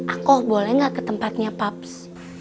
aku boleh nggak ke tempatnya pups